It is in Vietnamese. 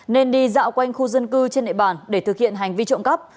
nên đi dạo quanh khu dân cư trên nệ bàn để thực hiện hành vi trộm cắp